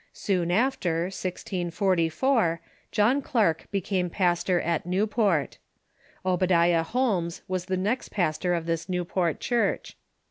Soon after, 1644, John Clarke became pastor in Newport. Obadiah Holmes was the next pastor of this Newport church.